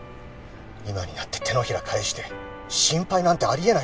今になって手のひら返して心配なんてあり得ないだろ。